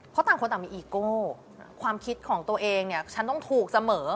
เพราะต่างคนต่างมีอีโก้ความคิดของตัวเองเนี่ยฉันต้องถูกเสมอ